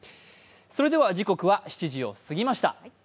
それでは時刻は７時をすぎました。